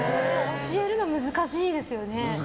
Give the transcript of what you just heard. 教えるの難しいですよね。